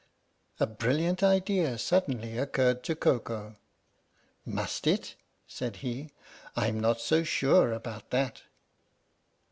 " A brilliant idea suddenly occurred to Koko. " Must it? " said he. " I'm not so sure about that!